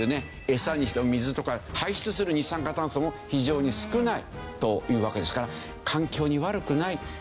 エサにしても水とか排出する二酸化炭素も非常に少ないというわけですから。